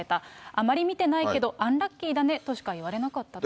あまり見てないけどアンラッキーだねとしか言われなかったと。